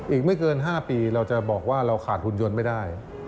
อีกไม่เกิน๕ปีเราจะบอกว่าเราขาดหุ่นยนต์ไม่ได้